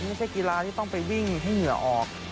มันไม่ใช่กีฬาที่ต้องไปวิ่งให้เหนื่อออก